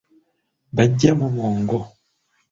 Bajjamu bwongo.